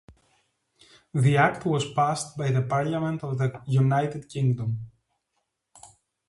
The act was passed by the Parliament of the United Kingdom.